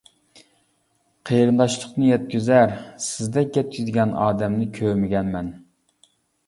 قېرىنداشلىقنى يەتكۈزەر، سىزدەك يەتكۈزگەن ئادەمنى كۆرمىگەنمەن.